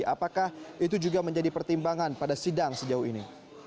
apakah itu juga menjadi pertimbangan pada sidang sejauh ini